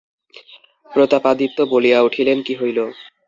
প্রতাপাদিত্য বলিয়া উঠিলেন, কী হইল?